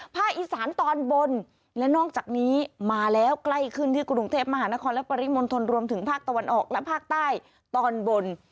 ภาคอีสานตอนบนและนอกจากนี้มาแล้วใกล้ขึ้นที่กรุงเทพมหานครและปริมณฑลรวมถึงภาคตะวันออกและภาคใต้ตอนบน